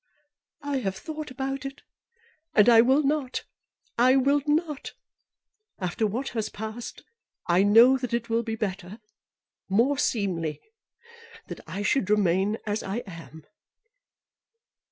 "I have thought about it, and I will not. I will not. After what has passed, I know that it will be better, more seemly, that I should remain as I am."